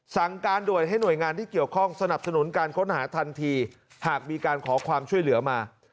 สั่งการด่วนให้หน่วยงานที่เกี่ยวข้องสนับสนุนการค้นหาทันทีหากมีการขอความช่วยเหลือมา